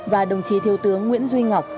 và đồng chí thiếu tướng nguyễn duy ngọc